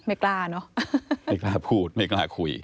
ไม่กล้าเนอะไม่กล้าพูดไม่กล้าคุย